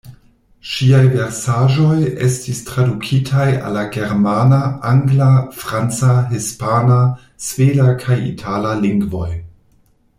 Ŝiaj versaĵoj estis tradukitaj al la germana, angla, franca, hispana, sveda kaj itala lingvoj.